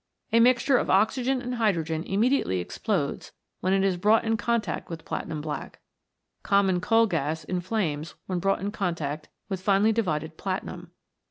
A mixture of oxygen and hydrogen immediately explodes when it is brought in contact with platinum black. Common coal gas inflames when brought in contact with finely divided platinum.